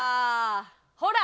ほら！